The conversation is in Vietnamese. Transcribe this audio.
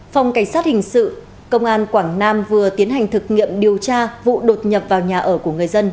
phòng cảnh sát hình sự công an quảng nam vừa tiến hành thực nghiệm điều tra vụ đột nhập vào nhà ở của người dân